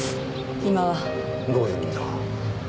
今はどういう意味だ？